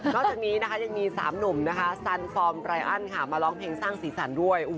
จากนี้นะคะยังมี๓หนุ่มนะคะสันฟอร์มรายอันค่ะมาร้องเพลงสร้างสีสันด้วย